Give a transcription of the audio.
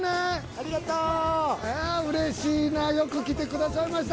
うれしいな、よく来てくださいました。